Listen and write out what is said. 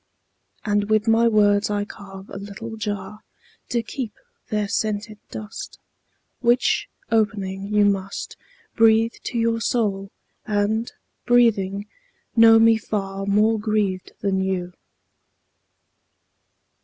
And with my words I carve a little jar To keep their scented dust, Which, opening, you must Breathe to your soul, and, breathing, know me far More grieved than you.